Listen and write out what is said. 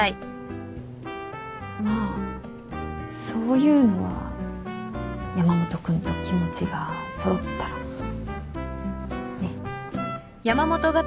まあそういうのは山本君と気持ちが揃ったらね。